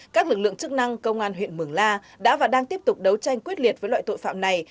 các lực lượng chức năng công an huyện mường la đã và đang tiếp tục đấu tranh quyết liệt với loại tội phạm này